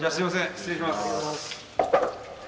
失礼します。